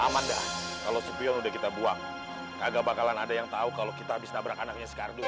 aman dah kalo supion udah kita buang kagak bakalan ada yang tau kalo kita abis nabrak anaknya skardu